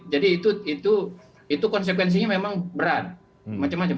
jadi itu konsekuensinya memang berat macem macem